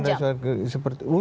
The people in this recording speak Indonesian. dan memang sudah tajam